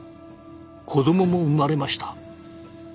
子どもも生まれました。